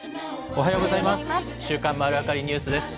おはようございます。